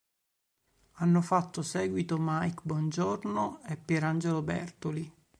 Hanno fatto seguito Mike Bongiorno e Pierangelo Bertoli.